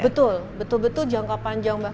betul betul betul jangka panjang